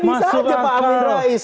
kan bisa aja pak amin rais